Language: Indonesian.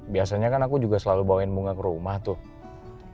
biasanya kan aku juga selalu bawain bunga ke rumah tuh